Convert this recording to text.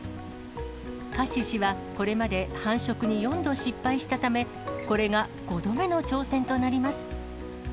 カシシはこれまで繁殖に４度失敗したため、これが５度目の挑戦となります。